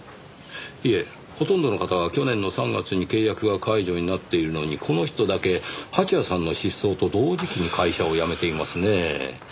いえほとんどの方は去年の３月に契約が解除になっているのにこの人だけ蜂矢さんの失踪と同時期に会社を辞めていますねぇ。